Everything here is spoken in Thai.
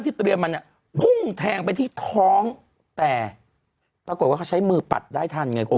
เตรียมมาเนี่ยพุ่งแทงไปที่ท้องแต่ปรากฏว่าเขาใช้มือปัดได้ทันไงคุณ